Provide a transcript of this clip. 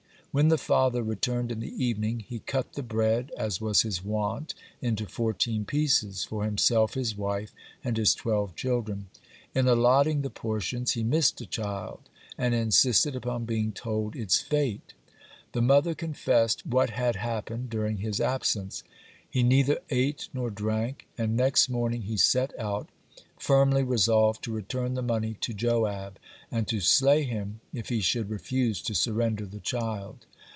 When the father returned in the evening, he cut the bread, as was his wont, into fourteen pieces, for himself, his wife, and his twelve children. In allotting the portions he missed a child, and insisted upon being told its fate. The mother confessed what had happened during his absence. He neither ate nor drank, and next morning he set out, firmly resolved to return the money to Joab and to slay him if he should refuse to surrender the child.